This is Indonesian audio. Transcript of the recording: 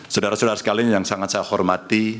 saudara saudara sekalian yang sangat saya hormati